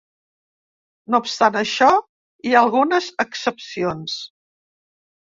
No obstant això, hi ha algunes excepcions.